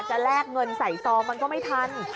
แลกเงินใส่ซองมันก็ไม่ทัน